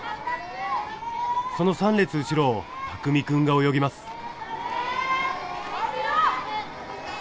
その３列後ろを拓美くんが泳ぎます。